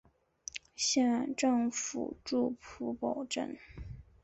县政府驻普保镇。